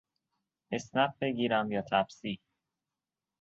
اسنپ بگیرم یا تپسی؟